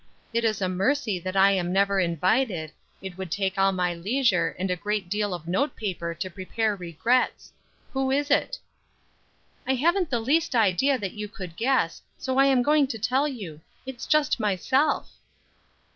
It is a mercy that I am never invited, it would take all my leisure, and a great deal of note paper to prepare regrets. Who is it?" "I haven't the least idea that you could guess, so I am going to tell you; it's just myself."